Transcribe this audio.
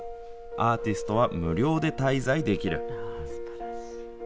アーティストは無料で滞在できる。